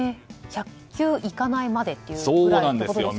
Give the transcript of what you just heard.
１００球いかないまでということですよね。